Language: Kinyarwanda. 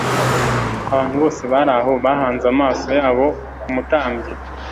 Abantu bose bari aho bahanze amaso yabo ku mutambyi,